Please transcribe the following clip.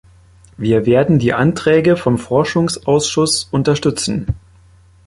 Wir werden die Anträge vom Forschungsausschuss unterstützen.